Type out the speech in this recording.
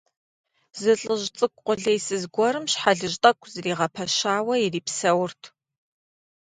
Зы ЛӀыжь цӀыкӀу къулейсыз гуэрым щхьэлыжь тӀэкӀу зэригъэпэщауэ ирипсэурт.